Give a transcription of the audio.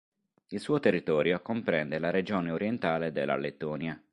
Il suo territorio comprende la regione orientale della Lettonia.